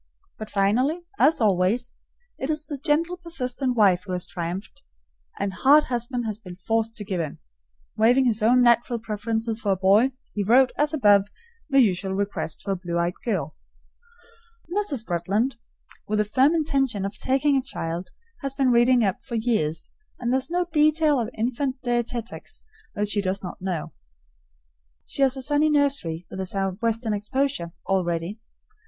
But finally, as always, it is the gentle, persistent wife who has triumphed, and hard husband has been forced to give in. Waiving his own natural preference for a boy, he wrote, as above, the usual request for a blue eyed girl. Mrs. Bretland, with the firm intention of taking a child, has been reading up for years, and there is no detail of infant dietetics that she does not know. She has a sunny nursery, with a southwestern exposure, all ready.